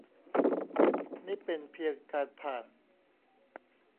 นี่เป็นเพียงการผ่าน